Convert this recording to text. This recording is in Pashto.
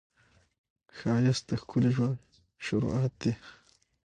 ښایست د ښکلي ژوند شروعات دی